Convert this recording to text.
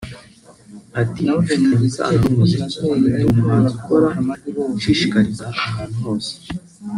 Ati “Bifitanye isano n’umuziki […] Ndi umuhanzi ukora nshakishiriza ahantu hose